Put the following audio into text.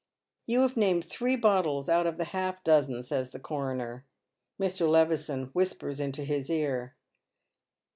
" You have named three bottles out of the half dozen," saya the coroner. Mr. Levison whispers into his ear.